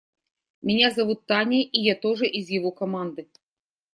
Меня зовут Таней, и я тоже из его команды.